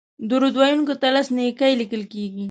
درود ویونکي ته لس نېکۍ لیکل کیږي